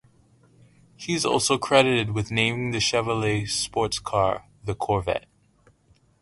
He is also credited with naming Chevrolet's sports car, the Corvette.